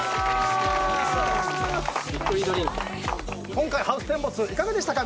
今回ハウステンボスいかがでしたか？